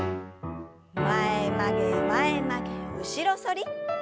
前曲げ前曲げ後ろ反り。